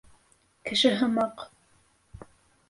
Кеше һымаҡ...